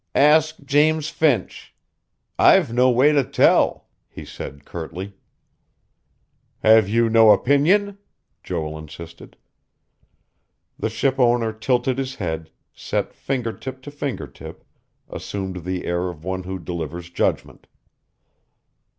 "Ask James Finch. I've no way to tell," he said curtly. "Have you no opinion?" Joel insisted. The ship owner tilted his head, set finger tip to finger tip, assumed the air of one who delivers judgment.